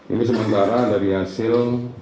ini sementara dari hasil